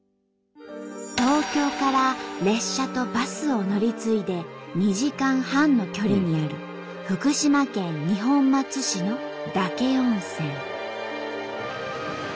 東京から列車とバスを乗り継いで２時間半の距離にある福島県二本松市の岳温泉。